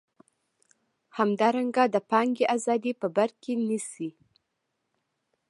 همدارنګه د پانګې ازادي په بر کې نیسي.